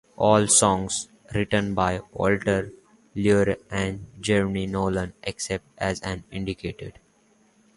All songs written by Walter Lure and Jerry Nolan, except as indicated.